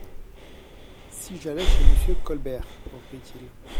Si j'allais chez Monsieur Colbert ? reprit-il.